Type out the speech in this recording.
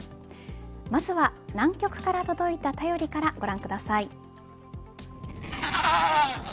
まずは南極から届いた便りからご覧ください。